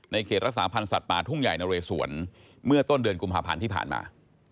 เขตรักษาพันธ์สัตว์ป่าทุ่งใหญ่นเรสวนเมื่อต้นเดือนกุมภาพันธ์ที่ผ่านมา